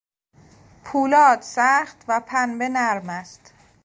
پولاد سخت و پنبه نرم است.